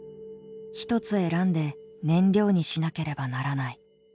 ひとつ選んで燃料にしなければならない。